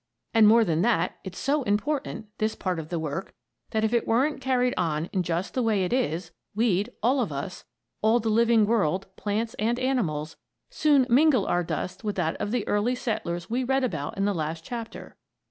And more than that, it's so important this part of the work that if it weren't carried on in just the way it is, we'd all of us all the living world, plants and animals soon mingle our dust with that of the early settlers we read about in the last chapter.